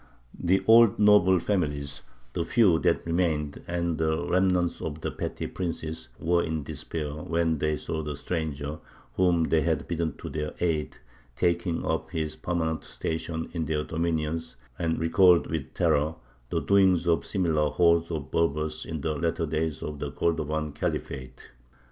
The old noble families, the few that remained, and the remnants of the petty princes, were in despair when they saw the stranger, whom they had bidden to their aid, taking up his permanent station in their dominions, and recalled with terror the doings of similar hordes of Berbers in the latter days of the Cordovan Khalifate.